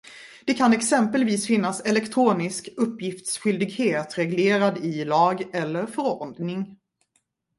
Det kan exempelvis finnas elektronisk uppgiftsskyldighet reglerad i lag eller förordning.